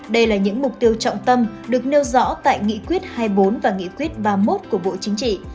đây là những mục tiêu trọng tâm được nêu rõ tại nghị quyết hai mươi bốn và nghị quyết ba mươi một của bộ chính trị